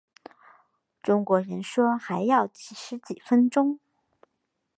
中国人说还要十几分钟